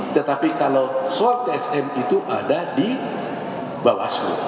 tetapi kalau soal tsm itu ada di bawaslu